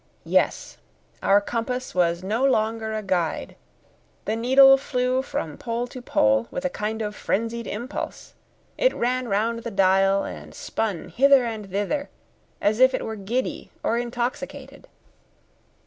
Yes: our compass was no longer a guide; the needle flew from pole to pole with a kind of frenzied impulse; it ran round the dial, and spun hither and thither as if it were giddy or intoxicated.